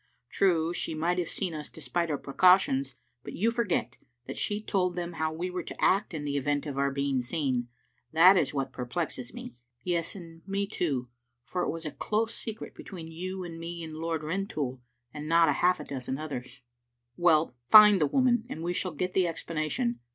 True, she might have seen us despite our precautions, but you forget that she told them how we were to act in the event of our being seen. That is what perplexes me." " Yes, and me too, for it was a close secret between you and me and Lord Rintoul and not half a dozen others." " Well, find the woman, and we shall get the explana tion.